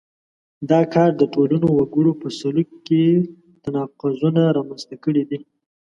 دا کار د ټولنو وګړو په سلوک کې تناقضونه رامنځته کړي دي.